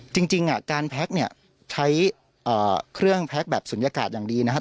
จริงการแพ็คเนี่ยใช้เครื่องแพ็คแบบศูนยากาศอย่างดีนะครับ